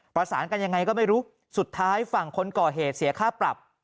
ประสานกันยังไงก็ไม่รู้สุดท้ายฝั่งคนก่อเหตุเสียค่าปรับ